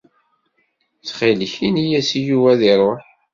Ttxil-k, ini-yas i Yuba ad iruḥ.